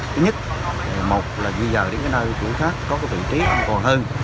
thứ nhất một là di dời đến nơi cũ khác có vị trí an toàn hơn